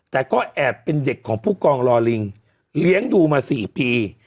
แต่ก็แอบเป็นเด็กของผู้กองรอลิงเลี้ยงดูมา๔ปี